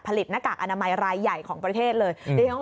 หน้ากากอนามัยรายใหญ่ของประเทศเลย